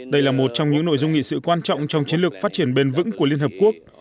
đây là một trong những nội dung nghị sự quan trọng trong chiến lược phát triển bền vững của liên hợp quốc